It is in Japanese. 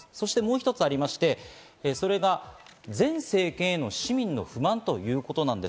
もう一つありまして、それが前政権への市民の不満ということです。